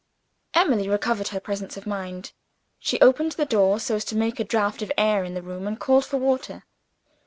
Emily recovered her presence of mind. She opened the door, so as to make a draught of air in the room, and called for water.